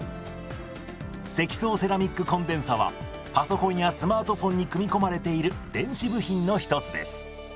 積層セラミックコンデンサはパソコンやスマートフォンに組み込まれている電子部品の一つです。